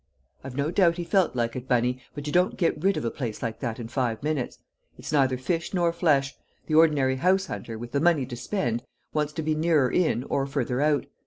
"I've no doubt he felt like it, Bunny, but you don't get rid of a place like that in five minutes; it's neither fish nor flesh; the ordinary house hunter, with the money to spend, wants to be nearer in or further out.